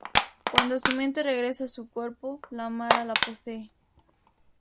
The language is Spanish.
Cuando su mente regresa a su cuerpo, la Mara la posee.